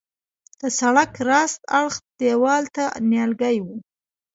د سړک راست اړخ دیوال ته نیالګي وه.